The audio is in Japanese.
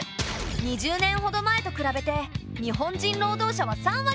２０年ほど前と比べて日本人労働者は３割も減ってしまった。